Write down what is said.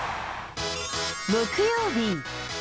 木曜日。